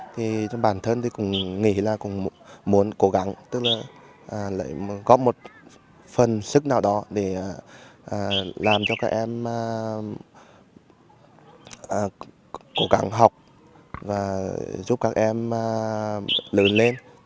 mình thì cũng nghĩ là cũng muốn cố gắng tức là góp một phần sức nào đó để làm cho các em cố gắng học và giúp các em lớn lên để có một tương lai sáng hơn